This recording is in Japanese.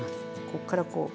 こっからこう。